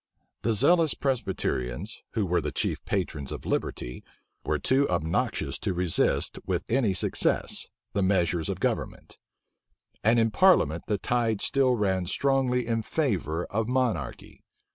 The zealous Presbyterians, who were the chief patrons of liberty, were too obnoxious to resist, with any success, the measures of government; and in parliament the tide still ran strongly in favor of monarchy.